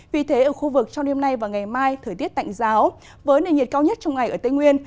vì thế ở khu vực trong đêm nay và ngày mai thời tiết tạnh giáo với nền nhiệt cao nhất trong ngày ở tây nguyên